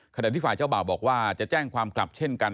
ขณะที่ฝ่ายเจ้าบ่าวบอกว่าจะแจ้งความกลับเช่นกัน